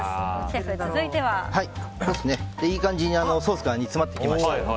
シェフ、続いては？いい感じにソースが煮詰まってきました。